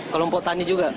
kelompok tani juga